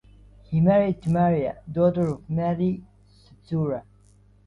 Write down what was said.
He married to Maria, daughter of Matei Sturza.